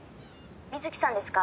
「美月さんですか？